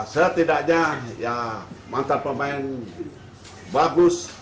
setidaknya mantan pemain bagus